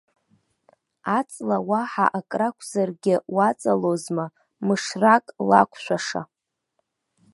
Аҵла уаҳа акрақәзаргьы уаҵалозма, мышрак лақәшәаша!